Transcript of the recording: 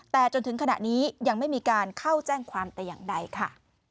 แต่จนถึงขณะนี้ยังไม่มีการเข้าแจ้งความแต่อย่างใดค่ะ